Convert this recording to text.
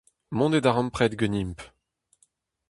Mont e darempred ganimp.